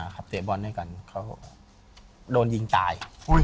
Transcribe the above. เค้าโดนยิงตาย